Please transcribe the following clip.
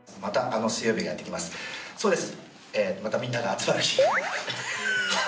そうです。